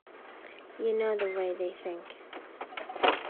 You know the way they think.